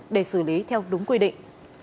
để xử lý theo đúng quy định